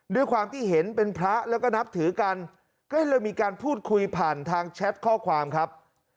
ด้วยความที่เห็นเป็นพระแล้วก็นับถือกันก็เลยมีการพูดคุยผ่านทางแชทข้อความครับ